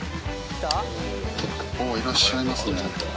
いらっしゃいますね。